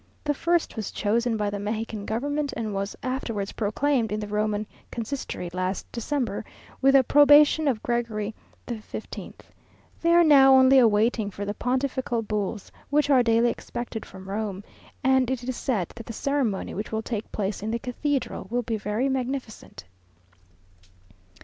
The first was chosen by the Mexican government, and was afterwards proclaimed in the Roman Consistory last December, with the approbation of Gregory XVI. They are now only waiting for the pontifical bulls, which are daily expected from Rome; and it is said that the ceremony, which will take place in the cathedral, will be very magnificent.